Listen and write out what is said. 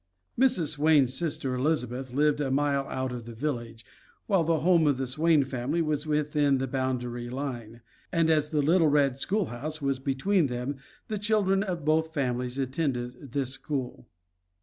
Mrs. Swain's sister Elizabeth lived a mile out of the village, while the home of the Swain family was within the boundary line, and as the little red school house was between them the children of both families attended this school.